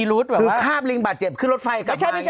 รถไฟกลับมา